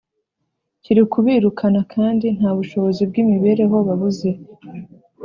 kiri kubirukana kandi nta bushobozi bw’imibereho babuze.